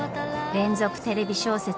連続テレビ小説